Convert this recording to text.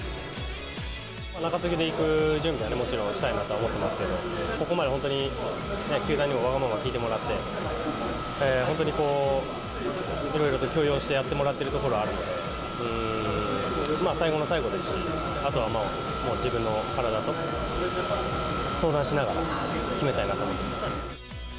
中継ぎで行く準備はね、もちろんしたいなとは思ってますけど、ここまで本当に球団にも、わがまま聞いてもらって、本当にこう、いろいろと許容してやってもらってるところあるので、最後の最後ですし、あとはまあ、自分の体と、相談しながら決めたいなと思います。